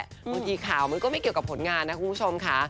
บางทีข่าวมันก็ไม่เกี่ยวกับผลงานนะคุณผู้ชมค่ะ